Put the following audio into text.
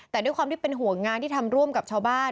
แต่ด้วยความที่เป็นห่วงงานที่ทำร่วมกับชาวบ้าน